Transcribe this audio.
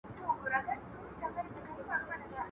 خدایه خواست درته کومه ما خو خپل وطن ته بوزې.